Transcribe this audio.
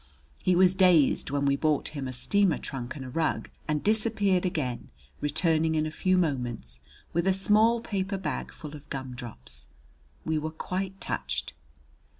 He was dazed when we bought him a steamer trunk and a rug, and disappeared again, returning in a few moments with a small paper bag full of gumdrops. We were quite touched.